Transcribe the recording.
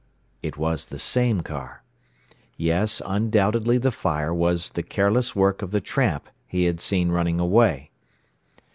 It was the same car. Yes; undoubtedly the fire was the careless work of the tramp he had seen running away.